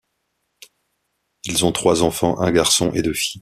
Ils ont trois enfants, un garçon et deux filles.